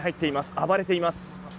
暴れています。